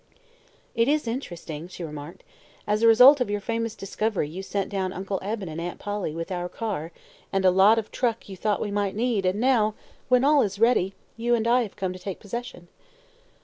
"It is interesting," she remarked. "As a result of your famous discovery you sent down Uncle Eben and Aunt Polly, with our car and a lot of truck you thought we might need, and now when all is ready you and I have come to take possession."